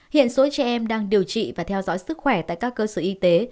hiện số trẻ em đang điều trị và theo dõi sức khỏe tại các cơ sở y tế